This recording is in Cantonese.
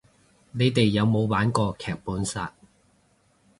你哋有冇玩過劇本殺